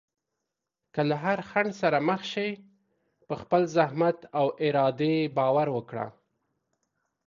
که له هر خنډ سره مخ شې، په خپل زحمت او ارادې باور وکړه.